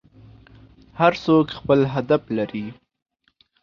هر څوک خپل هدف لري.